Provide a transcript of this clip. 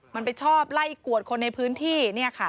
มันไปชอบไล่กวดคนในพื้นที่